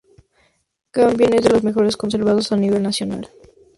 Cambien es de los mejores conservados a nivel nacional.